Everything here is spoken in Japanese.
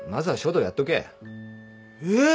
えっ！？